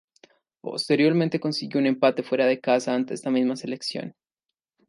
Posteriormente consiguió un empate fuera de casa ante esta misma selección.